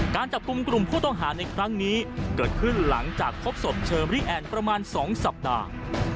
การจับกลุ่มกลุ่มผู้ต้องหาในครั้งนี้เกิดขึ้นหลังจากพบศพเชอรี่แอนด์ประมาณ๒สัปดาห์